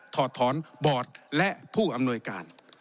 ถอดถอนบอร์ดและผู้อำนวยการ